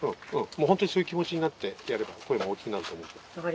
もう本当にそういう気持ちになってやれば声も大きくなると思うから。